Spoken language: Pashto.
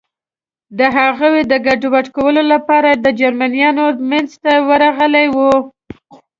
د هغوی د ګډوډ کولو لپاره د جرمنیانو منځ ته ورغلي و.